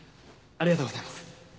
ありがとうございます。